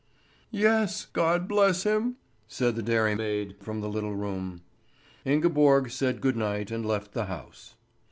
"Yes, God bless him!" said the dairymaid from the little room. Ingeborg said good night and left the house.